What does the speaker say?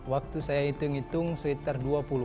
waktu saya hitung hitung sekitar dua puluh